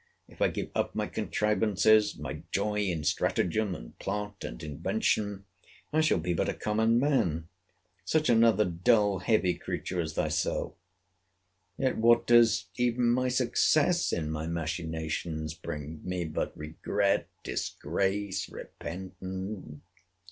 If I give up my contrivances, my joy in stratagem, and plot, and invention, I shall be but a common man; such another dull heavy creature as thyself. Yet what does even my success in my machinations bring me but regret, disgrace, repentance?